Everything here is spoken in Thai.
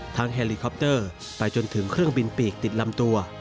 แฮลิคอปเตอร์ไปจนถึงเครื่องบินปีกติดลำตัว